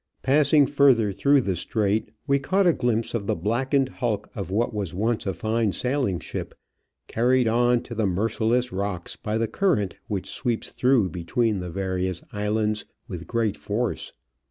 Passing further through the Strait, we caught a glimpse of the blackened hulk of what was once a fine sailing ship, carried on to the merciless rocks by the current which sweeps through between the various islands with great force.